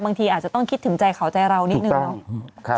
บางทีอาจจะต้องคิดถึงใจเขาใจเรานิดนึงเนาะ